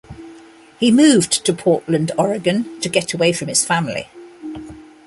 He moved to Portland, Oregon, to get away from his family.